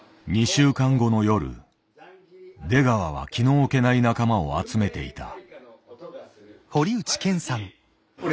２週間後の夜出川は気の置けない仲間を集めていた。